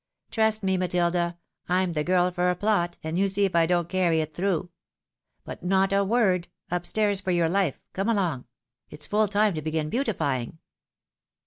Trust me, Matilda, I'm the girl for a plot, and you see if I don't carry it through. But not a word ; up stairs for your life — come along ! it's full time to begin beautifying."